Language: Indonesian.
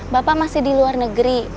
bapak masih di luar negeri